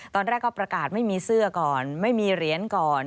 ตอนแรกก็ประกาศไม่มีเสื้อก่อนไม่มีเหรียญก่อน